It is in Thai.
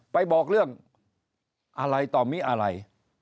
ไปบอกเรื่องอะไรต่อมิอะไร